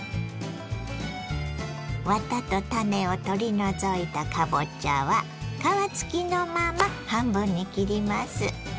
ワタと種を取り除いたかぼちゃは皮付きのまま半分に切ります。